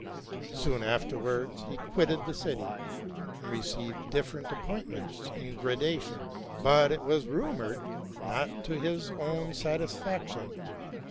Soon afterwards he quitted the city, and received different appointments in gradation, but, it was rumored, not to his own satisfaction.